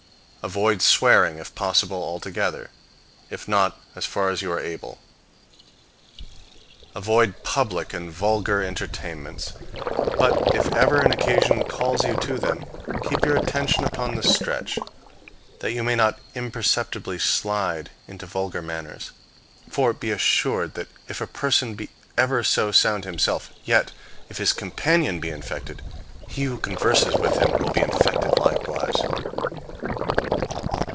Avoid swearing, if possible, altogether; if not, as far as you are able. Avoid public and vulgar entertainments; but, if ever an occasion calls you to them, keep your attention upon the stretch, that you may not imperceptibly slide into vulgar manners. For be assured that if a person be ever so sound himself, yet, if his companion be infected, he who converses with him will be infected likewise.